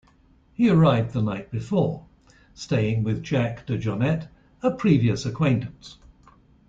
He arrived the night before, staying with Jack DeJohnette, a previous acquaintance.